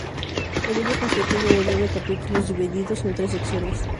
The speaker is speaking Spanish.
El libro constituye de nueve capítulos divididos en tres secciones.